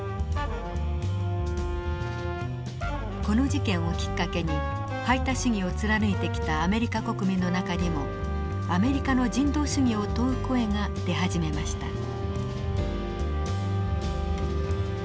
この事件をきっかけに排他主義を貫いてきたアメリカ国民の中にもアメリカの人道主義を問う声が出始めました。